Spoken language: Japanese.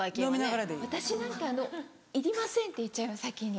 私なんか「いりません」って言っちゃいます先に。